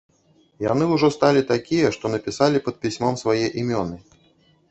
Яны ўжо сталі такія, што напісалі пад пісьмом свае імёны.